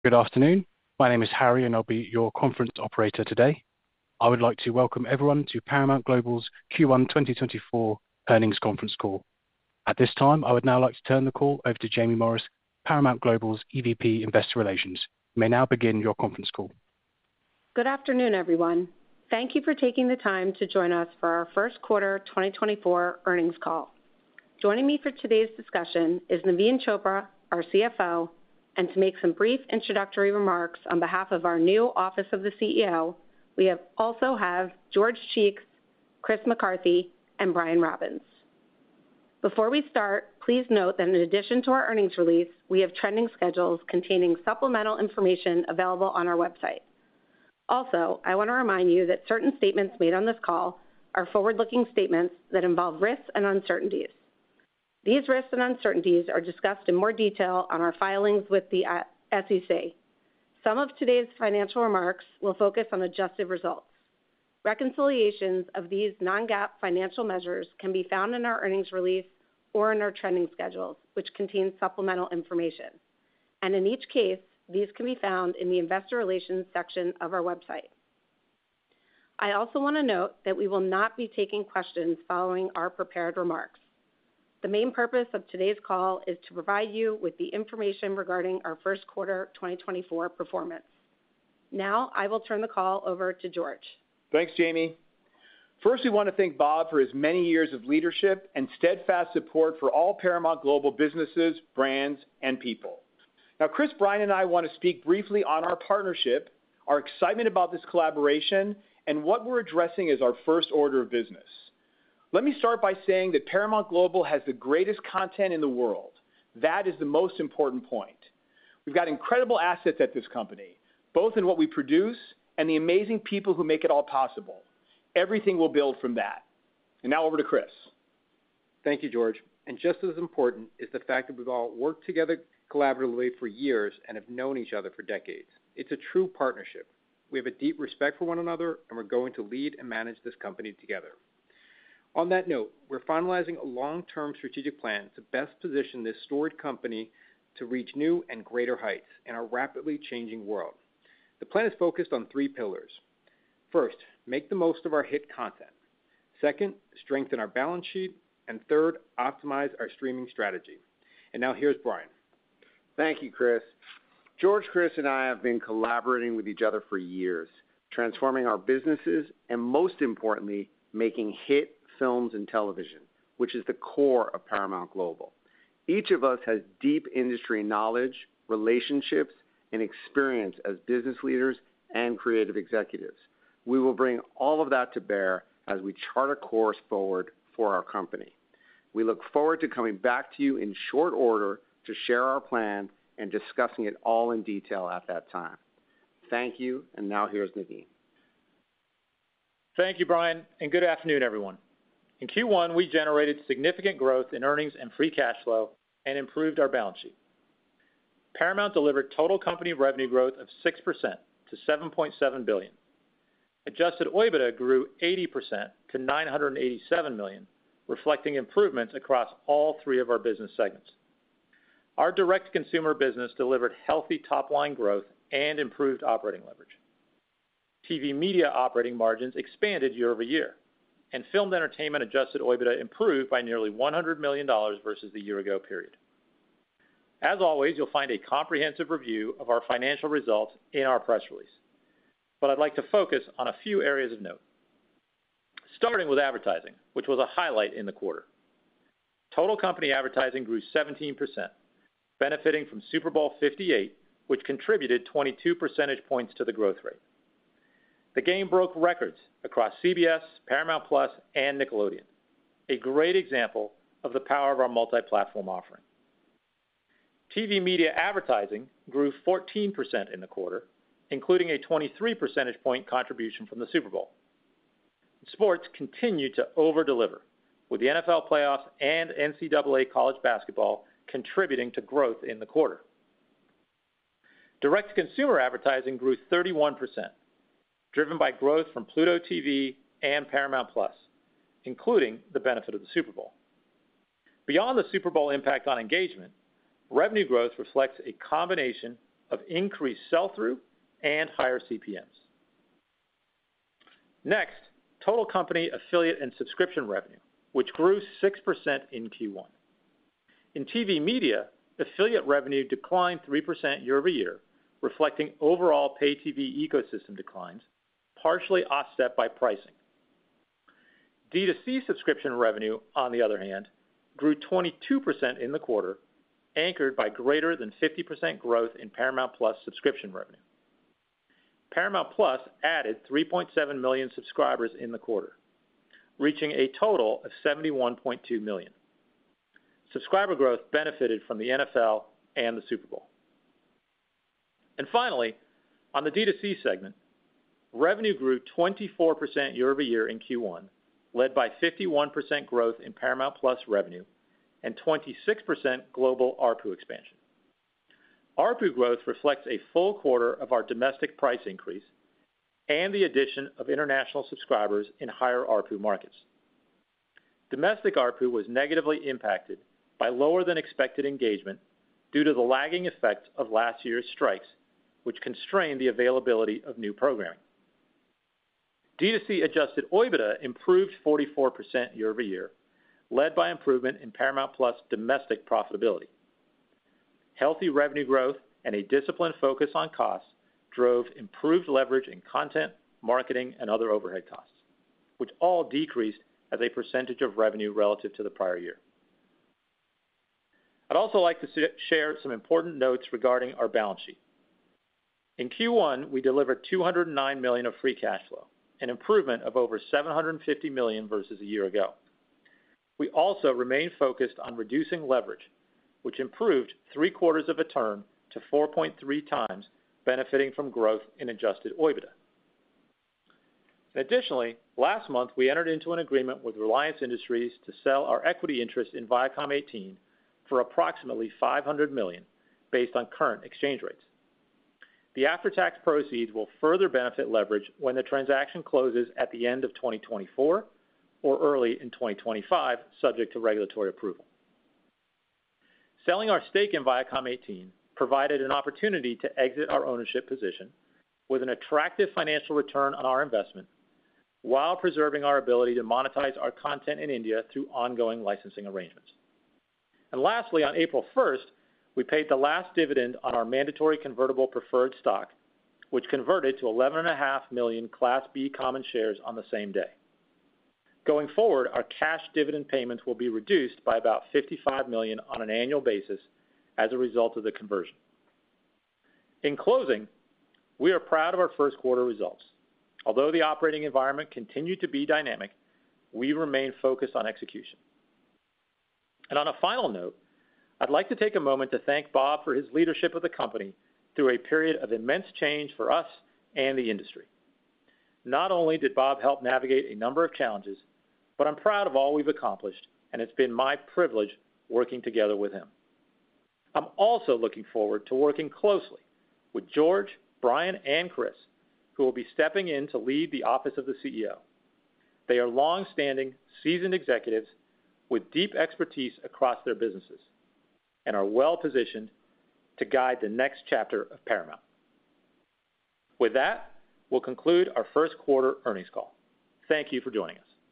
Good afternoon. My name is Harry, and I'll be your conference operator today. I would like to welcome everyone to Paramount Global's Q1 2024 Earnings Conference Call. At this time, I would now like to turn the call over to Jaime Morris, Paramount Global's EVP, Investor Relations. You may now begin your conference call. Good afternoon, everyone. Thank you for taking the time to join us for our Q1 2024 earnings call. Joining me for today's discussion is Naveen Chopra, our CFO, and to make some brief introductory remarks on behalf of our new Office of the CEO, we have George Cheeks, Chris McCarthy, and Brian Robbins. Before we start, please note that in addition to our earnings release, we have Trending Schedules containing supplemental information available on our website. Also, I want to remind you that certain statements made on this call are forward-looking statements that involve risks and uncertainties. These risks and uncertainties are discussed in more detail on our filings with the SEC. Some of today's financial remarks will focus on adjusted results. Reconciliations of these non-GAAP financial measures can be found in our earnings release or in our Trending Schedules, which contain supplemental information, and in each case, these can be found in the investor relations section of our website. I also want to note that we will not be taking questions following our prepared remarks. The main purpose of today's call is to provide you with the information regarding our Q1 2024 performance. Now, I will turn the call over to George. Thanks, Jaime. First, we want to thank Bob for his many years of leadership and steadfast support for all Paramount Global businesses, brands, and people. Now, Chris, Brian, and I want to speak briefly on our partnership, our excitement about this collaboration, and what we're addressing as our first order of business. Let me start by saying that Paramount Global has the greatest content in the world. That is the most important point. We've got incredible assets at this company, both in what we produce and the amazing people who make it all possible. Everything will build from that. And now over to Chris. Thank you, George. Just as important is the fact that we've all worked together collaboratively for years and have known each other for decades. It's a true partnership. We have a deep respect for one another, and we're going to lead and manage this company together. On that note, we're finalizing a long-term strategic plan to best position this storied company to reach new and greater heights in a rapidly changing world. The plan is focused on three pillars. First, make the most of our hit content. Second, strengthen our balance sheet. And third, optimize our streaming strategy. Now here's Brian. Thank you, Chris. George, Chris, and I have been collaborating with each other for years, transforming our businesses, and most importantly, making hit films and television, which is the core of Paramount Global. Each of us has deep industry knowledge, relationships, and experience as business leaders and creative executives. We will bring all of that to bear as we chart a course forward for our company. We look forward to coming back to you in short order to share our plan and discussing it all in detail at that time. Thank you, and now here's Naveen. Thank you, Brian, and good afternoon, everyone. In Q1, we generated significant growth in earnings and free cash flow and improved our balance sheet. Paramount delivered total company revenue growth of 6% to $7.7 billion. Adjusted OIBDA grew 80% to $987 million, reflecting improvements across all three of our business segments. Our direct-to-consumer business delivered healthy top-line growth and improved operating leverage. TV media operating margins expanded year-over-year, and filmed entertainment adjusted OIBDA improved by nearly $100 million versus the year ago period. As always, you'll find a comprehensive review of our financial results in our press release, but I'd like to focus on a few areas of note. Starting with advertising, which was a highlight in the quarter. Total company advertising grew 17%, benefiting from Super Bowl LVIII, which contributed 22 percentage points to the growth rate. The game broke records across CBS, Paramount+, and Nickelodeon, a great example of the power of our multi-platform offering. TV media advertising grew 14% in the quarter, including a 23 percentage point contribution from the Super Bowl. Sports continued to over-deliver, with the NFL playoffs and NCAA college basketball contributing to growth in the quarter. Direct-to-consumer advertising grew 31%, driven by growth from Pluto TV and Paramount+, including the benefit of the Super Bowl. Beyond the Super Bowl impact on engagement, revenue growth reflects a combination of increased sell-through and higher CPMs. Next, total company affiliate and subscription revenue, which grew 6% in Q1. In TV media, affiliate revenue declined 3% year-over-year, reflecting overall pay TV ecosystem declines, partially offset by pricing. D2C subscription revenue, on the other hand, grew 22% in the quarter, anchored by greater than 50% growth in Paramount Plus subscription revenue. Paramount Plus added 3.7 million subscribers in the quarter, reaching a total of 71.2 million. Subscriber growth benefited from the NFL and the Super Bowl. And finally, on the D2C segment, revenue grew 24% year-over-year in Q1, led by 51% growth in Paramount Plus revenue and 26% global ARPU expansion. ARPU growth reflects a full quarter of our domestic price increase and the addition of international subscribers in higher ARPU markets. Domestic ARPU was negatively impacted by lower than expected engagement due to the lagging effect of last year's strikes, which constrained the availability of new programming. D2C adjusted OIBDA improved 44% year-over-year, led by improvement in Paramount Plus domestic profitability. Healthy revenue growth and a disciplined focus on costs drove improved leverage in content, marketing, and other overhead costs, which all decreased as a percentage of revenue relative to the prior year. I'd also like to share some important notes regarding our balance sheet. In Q1, we delivered $209 million of free cash flow, an improvement of over $750 million versus a year ago. We also remain focused on reducing leverage, which improved three-quarters of a turn to 4.3 times, benefiting from growth in Adjusted OIBDA. Additionally, last month, we entered into an agreement with Reliance Industries to sell our equity interest in Viacom18 for approximately $500 million based on current exchange rates. The after-tax proceeds will further benefit leverage when the transaction closes at the end of 2024 or early in 2025, subject to regulatory approval. Selling our stake in Viacom18 provided an opportunity to exit our ownership position with an attractive financial return on our investment, while preserving our ability to monetize our content in India through ongoing licensing arrangements. Lastly, on April first, we paid the last dividend on our Mandatory Convertible Preferred Stock, which converted to 11.5 million Class B common shares on the same day. Going forward, our cash dividend payments will be reduced by about $55 million on an annual basis as a result of the conversion. In closing, we are proud of our Q1 results. Although the operating environment continued to be dynamic, we remain focused on execution. On a final note, I'd like to take a moment to thank Bob for his leadership of the company through a period of immense change for us and the industry. Not only did Bob help navigate a number of challenges, but I'm proud of all we've accomplished, and it's been my privilege working together with him. I'm also looking forward to working closely with George, Brian, and Chris, who will be stepping in to lead the office of the CEO. They are long-standing, seasoned executives with deep expertise across their businesses and are well-positioned to guide the next chapter of Paramount. With that, we'll conclude our Q1 earnings call. Thank you for joining us.